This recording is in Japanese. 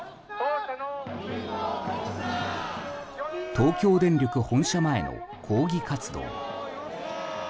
東京電力本社前の抗議活動。